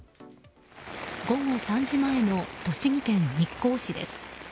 午後３時前の栃木県日光市です。